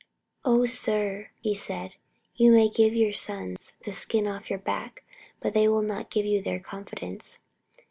"O sir," he said, "you may give your sons the skin off your back, but they will not give you their confidence!"